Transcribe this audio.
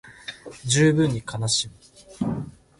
十分に悲しむ